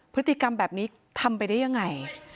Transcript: พฤติกรรมแบบนี้ทำไปได้ยังไง